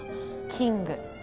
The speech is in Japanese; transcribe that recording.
キング。